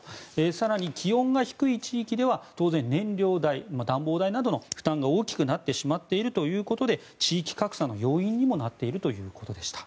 更に、気温が低い地域では当然、燃料代暖房代などの負担が大きくなってしまっているということで地域格差の要因にもなっているということでした。